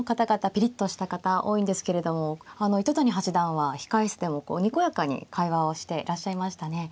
ピリッとした方多いんですけれども糸谷八段は控え室でもにこやかに会話をしていらっしゃいましたね。